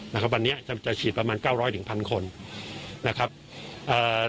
นะครับวันนี้จะจะฉีดประมาณเก้าร้อยถึงพันคนนะครับเอ่อ